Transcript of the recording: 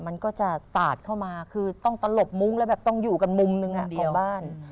มันก็จะสาดเข้ามาคือต้องตลบมุ้งแล้วแบบต้องอยู่กันมุมหนึ่งของบ้าน